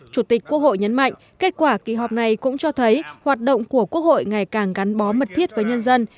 chủ tịch quốc hội nhấn mạnh kết quả kỳ họp này cũng cho thấy hoạt động của quốc hội ngày càng gắn bó mật thiết với nhân dân